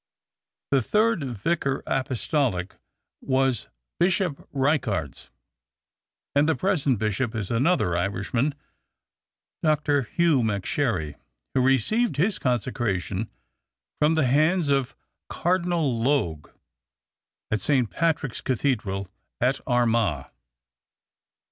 The third Vicar Apostolic was Bishop Ricards, and the present bishop is another Irishman, Dr. Hugh McSherry, who received his consecration from the hands of Cardinal Logue in St. Patrick's Cathedral at Armagh.